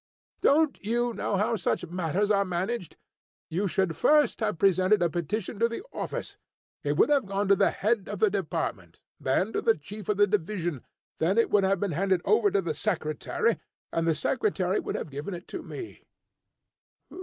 Don't you know how such matters are managed? You should first have presented a petition to the office. It would have gone to the head of the department, then to the chief of the division, then it would have been handed over to the secretary, and the secretary would have given it to me."